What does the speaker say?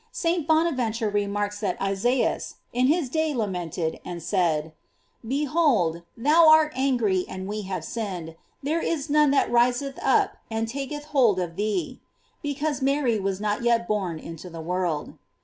St. Bonaventure re marks that Isaias, in his day lamented, aud said, " Behold, thou art angry and we have sin ned there is none that riseth up and tak eth holdof thee;"J because Mary was not yet bora into the woiid.